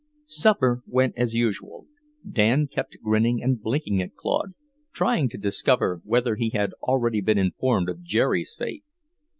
Supper went as usual. Dan kept grinning and blinking at Claude, trying to discover whether he had already been informed of Jerry's fate.